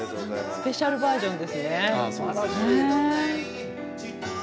スペシャルバージョンですね。